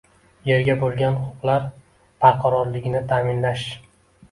yerga bo‘lgan huquqlar barqarorligini ta’minlash